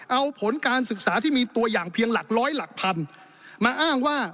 เอาผลการศึกษาที่มีตัวอย่างเพียงหลักร้อยหลักพันมาอ้างว่า